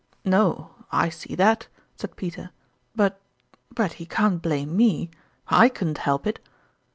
" No, I see that," said Peter ;" but but he can't blame me. / couldn't help it